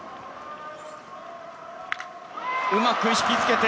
うまく引きつけて！